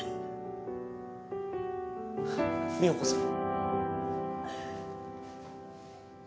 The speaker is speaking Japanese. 美保子さん。